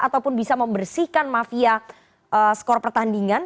ataupun bisa membersihkan mafia skor pertandingan